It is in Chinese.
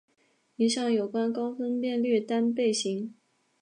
一项有关高分辨率单倍型。